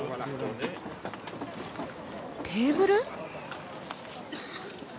テーブル？